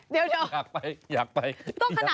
เดี๋ยวอยากไปอยากไปอยากไปอยากไปอยากไปอยากไปอยากไป